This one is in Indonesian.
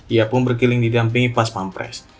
ia pun berkeliling didampingi pas pampres